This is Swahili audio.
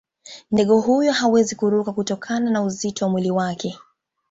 ndege huyo hawezi kuruka kutokana na uzito wa mwili wake